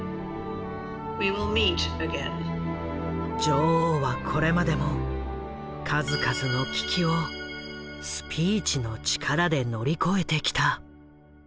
女王はこれまでも数々の危機を「スピーチの力」で乗り越えてきた。